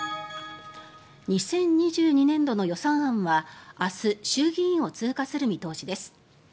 ２０２２年度の予算案は明日、衆議院を通過する見通しです。